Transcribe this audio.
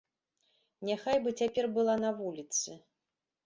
Няхай бы цяпер была на вуліцы.